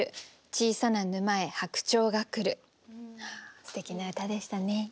すてきな歌でしたね。